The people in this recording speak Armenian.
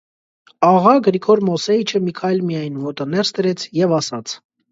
Աղա Գրիգոր Մոսեիչը մի քայլ միայն ոտը ներս դրեց և ասաց.